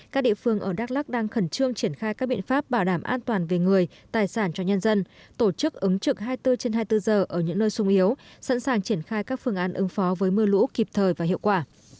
các địa phương ở đắk lắc đang khẩn trương triển khai các biện pháp bảo đảm an toàn về người tài sản cho nhân dân tổ chức ứng trực hai mươi bốn trên hai mươi bốn giờ ở những nơi sung yếu sẵn sàng triển khai các phương án ứng phó với mưa lũ kịp thời và hiệu quả